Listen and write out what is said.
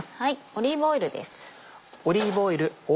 オリーブオイルです。